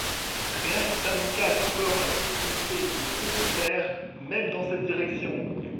Rien qui indiquât encore la proximité d’une haute terre, même dans cette direction.